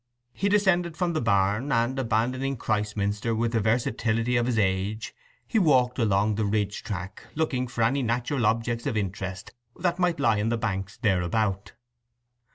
He descended from the barn, and abandoning Christminster with the versatility of his age he walked along the ridge track, looking for any natural objects of interest that might lie in the banks thereabout.